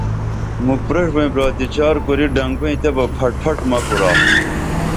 مُکھ پریݜبئیں برادی چار کوری ڈنگبئیں تہ بہ پھٹ پھٹ مہ کُرا